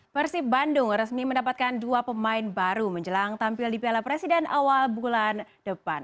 persib bandung resmi mendapatkan dua pemain baru menjelang tampil di piala presiden awal bulan depan